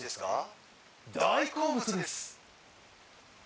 大好物です」